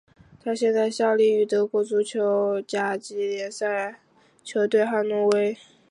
他现在效力于德国足球甲级联赛球队汉诺威。